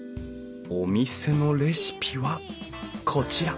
お店のレシピはこちら！